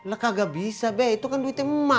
enggak bisa be itu kan duitnya emak